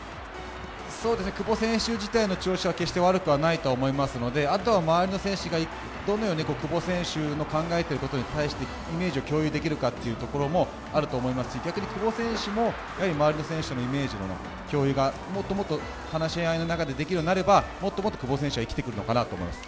久保選手自体の調子は決して悪くはないと思いますのであとは周りの選手がどのように久保選手の考えていることに対してイメージを共有できるかもあると思いますし逆に、久保選手もやはり周りの選手とのイメージの共有が話し合いの中でできるようになればもっと久保選手は生きてくるのかなと思います。